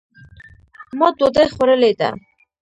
ما دوډۍ خوړلې ده